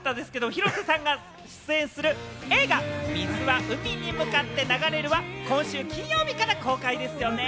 広瀬さんが出演する映画『水は海に向かって流れる』は今週金曜日から公開ですよね。